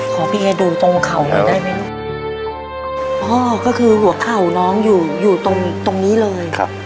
พี่เอดูตรงเข่าหน่อยได้ไหมลูกพ่อก็คือหัวเข่าน้องอยู่อยู่ตรงตรงนี้เลยครับ